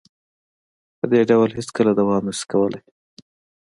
په دې ډول هیڅکله دوام نشي کولې